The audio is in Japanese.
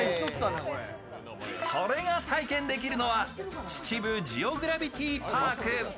それが体験できるのは秩父ジオグラビティパーク。